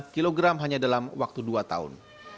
satu ratus dua puluh lima kg hanya dalam waktu dua tahun